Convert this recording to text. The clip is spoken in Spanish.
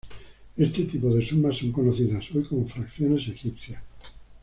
Este tipo de sumas son conocidas hoy como fracciones egipcias.